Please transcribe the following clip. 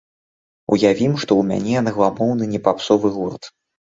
Уявім, што ў мяне англамоўны не папсовы гурт.